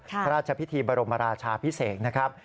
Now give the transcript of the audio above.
พระราชพิธีบรมราชาพิเศษนะครับ